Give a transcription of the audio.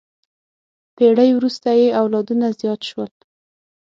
پېړۍ وروسته یې اولادونه زیات شول.